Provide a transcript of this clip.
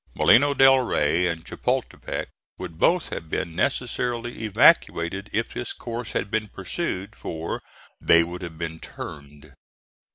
Molino del Rey and Chapultepec would both have been necessarily evacuated if this course had been pursued, for they would have been turned.